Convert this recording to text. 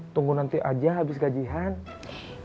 tunggu nanti aja habis gaji hari